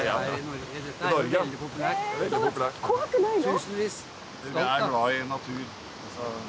怖くないの？